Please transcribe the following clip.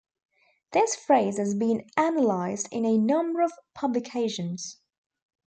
This phrase has been analyzed in a number of publications.